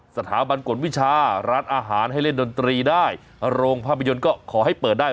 สถาบันกฎวิชาร้านอาหารให้เล่นดนตรีได้โรงภาพยนตร์ก็ขอให้เปิดได้